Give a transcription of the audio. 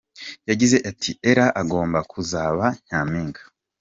Yagize ati “Ella agomba kuzaba nyampinga.